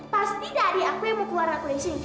pasti dari aku yang mau keluarkan aku disini